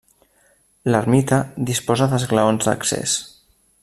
L'ermita disposa d'esglaons d'accés.